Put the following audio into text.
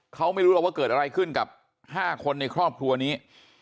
เขาไม่รู้หรอกว่าเกิดอะไรขึ้นกับ๕คนในครอบครัวนี้